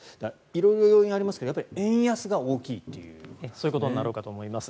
色々要因ありますがやっぱり円安がそういうことになろうかと思います。